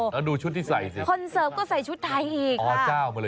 แล้วดูชุดที่ใส่สิคนเสิร์ฟก็ใส่ชุดไทยอีก